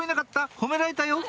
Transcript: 褒められたよ！